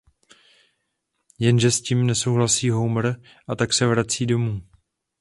Jenže s tím nesouhlasí Homer a tak se vrací domů.